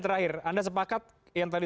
terakhir anda sepakat yang tadi